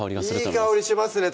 いい香りしますね